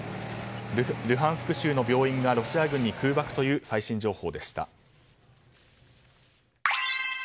ルハンスク州の病院がロシア軍に空爆という最新情報でした。